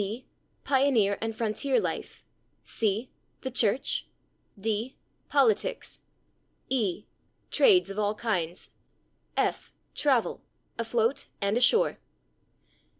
b. Pioneer and frontier life. c. The church. d. Politics. e. Trades of all kinds. f. Travel, afloat and ashore.